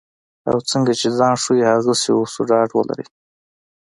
او څنګه چې ځان ښیو هغسې اوسو ډاډ ولرئ.